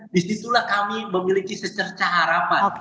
disitulah kami memiliki secerca harapan